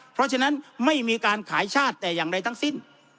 เพราะฉะนั้นไม่มีการขายชาติแต่อย่างใดทั้งสิ้น